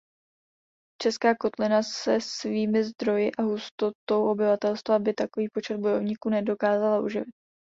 Česká kotlina se svými zdroji a hustotou obyvatelstva by takový počet bojovníků nedokázala uživit.